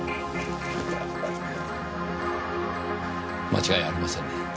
間違いありませんね。